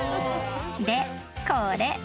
［でこれ。